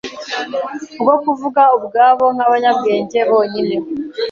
bwo kuvuga ubwabo nkabanyabwenge bonyine